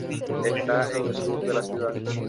Está en el sur de la ciudad.